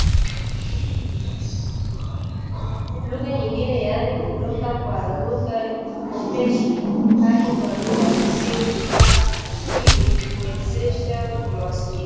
lugha nyingine yaani kutoka kwa lugha kopeshi hadi kwa lugha pokezi ili kuwezesha mawasiliano